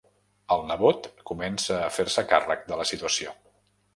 El nebot comença a fer-se càrrec de la situació.